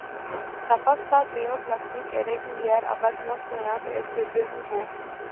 Sa façade néo-classique est régulière avec neuf fenêtres et sur deux niveaux.